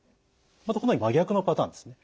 またこの真逆のパターンですね。